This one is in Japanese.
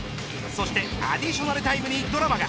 そして、アディショナルタイムにドラマが。